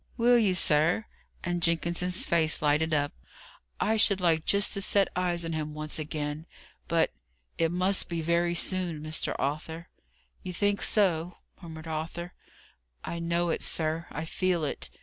"Will you, sir?" and Jenkins's face lighted up. "I should like just to set eyes on him once again. But it must be very soon, Mr. Arthur." "You think so?" murmured Arthur. "I know it, sir I feel it.